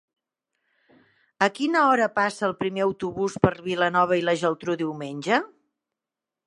A quina hora passa el primer autobús per Vilanova i la Geltrú diumenge?